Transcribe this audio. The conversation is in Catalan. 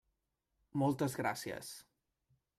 Moltes gràcies.